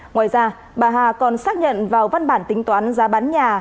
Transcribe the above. ngoài ra bà hà còn xác nhận vào văn bản tính toán giá bán nhà